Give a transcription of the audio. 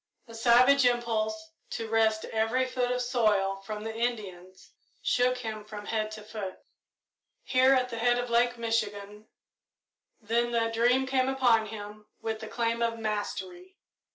A savage impulse to wrest every foot of soil from the Indians shook him from head to foot. Here, at the head of Lake Michigan then the dream came upon him with the claim of mastery.